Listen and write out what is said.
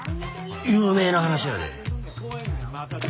有名な話やで。